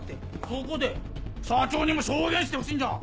そこで社長にも証言してほしいんじゃ！